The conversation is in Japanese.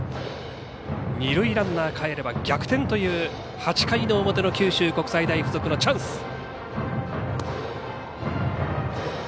二塁ランナーかえれば逆転という８回の表の九州国際大付属のチャンス。